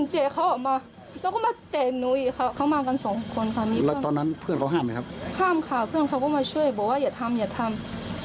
ห้ามค่ะเพื่อนเขาก็มาช่วยบอกว่าอย่าทำอย่าทำ